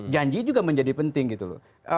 janji juga menjadi penting gitu loh